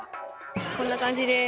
こんな感じです。